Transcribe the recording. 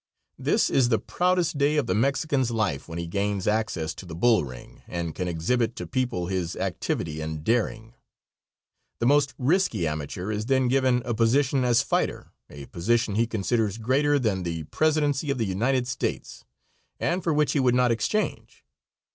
This is the proudest day of the Mexican's life when he gains access to the bull ring and can exhibit to people his activity and daring. The most risky amateur is then given a position as fighter, a position he considers greater than the presidency of the United States, and for which he would not exchange.